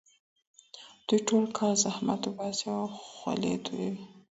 دوی ټول کال زحمت وباسي او خولې تویوي.